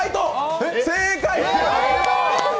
正解！